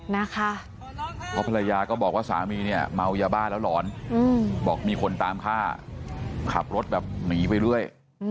เพราะภรรยาก็บอกว่าสามีเนี่ยเมายาบ้าแล้วหลอนบอกมีคนตามฆ่าขับรถแบบหนีไปด้วย